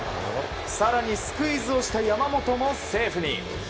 更にスクイズをした山本もセーフに。